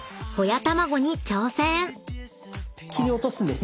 切り落とすんですね。